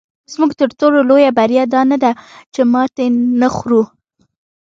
زموږ تر ټولو لویه بریا دا نه ده چې ماتې نه خورو.